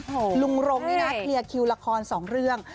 ลุงรงนี่นะเคลียร์คิวละครสองเรื่อง